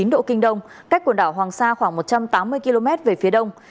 một trăm một mươi ba chín độ kinh đông cách quần đảo hoàng sa khoảng một trăm tám mươi km về phía đông